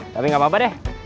tapi gak apa apa deh